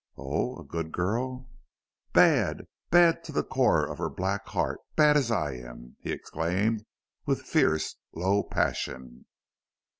"Oh!... A good girl?" "Bad! Bad to the core of her black heart bad as I am!" he exclaimed, with fierce, low passion.